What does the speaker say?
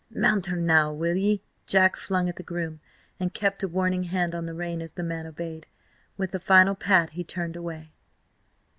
"Mount her now, will 'ee?" Jack flung at the groom, and kept a warning hand on the rein as the man obeyed. With a final pat he turned away.